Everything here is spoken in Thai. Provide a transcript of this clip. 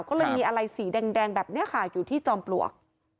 ก็เลยมีอะไรสีแดงแบบนี้ค่ะอยู่ที่จอมปลวก